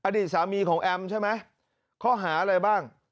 อดิตสามีของแอมเค้าหาอะไรบ้าง